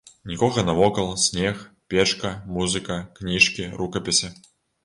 Нікога навокал, снег, печка, музыка, кніжкі, рукапісы.